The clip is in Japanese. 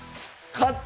勝った！